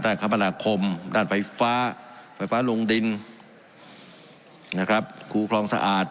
คมนาคมด้านไฟฟ้าไฟฟ้าลงดินนะครับคูคลองสะอาด